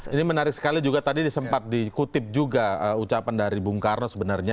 ini menarik sekali juga tadi sempat dikutip juga ucapan dari bung karno sebenarnya